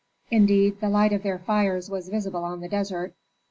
Indeed the light of their fires was visible on the desert.